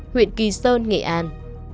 huyện kỳ sơn nghệ an